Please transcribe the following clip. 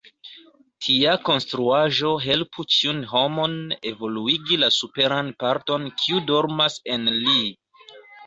Tia konstruaĵo helpu ĉiun homon evoluigi la superan parton, kiu dormas en li.